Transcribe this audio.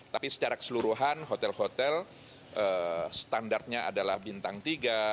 tapi secara keseluruhan hotel hotel standarnya adalah bintang tiga